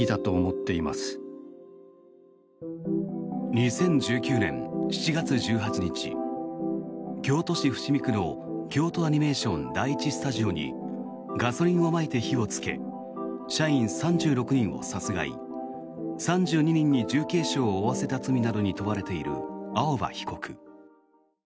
２０１９年７月１８日京都市伏見区の京都アニメーション第１スタジオにガソリンをまいて火をつけ社員３６人を殺害３２人に重軽傷を負わせた罪などに問われている青葉被告。